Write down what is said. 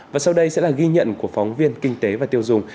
và sau đây sẽ là ghi nhận của phóng viên kinh tế và tiêu dùng